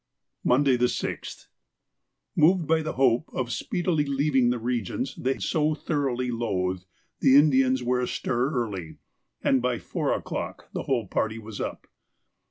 Monday, the 6th.—Moved by the hope of speedily leaving the regions they so thoroughly loathed, the Indians were astir early, and by four o'clock the whole party was up.